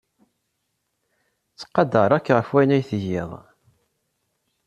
Ttqadareɣ-k ɣef wayen ay tgiḍ.